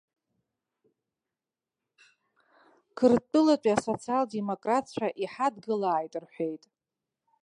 Қырҭтәылатәи асоциал-демократцәа иҳадгылааит рҳәеит.